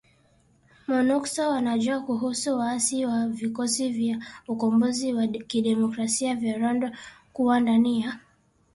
Kagame: Monusco wanajua kuhusu waasi wa Vikosi vya Ukombozi wa Kidemokrasia vya Rwanda kuwa ndani ya jeshi la Jamuhuri ya Kidemokrasia ya Kongo